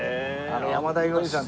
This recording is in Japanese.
山田洋次さん。